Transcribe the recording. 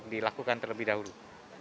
dan terlebih dahulu